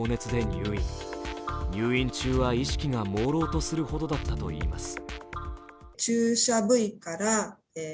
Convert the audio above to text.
入院中は意識がもうろうとするほどだったといいます。